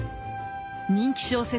人気小説